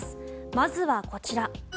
まずはこちら。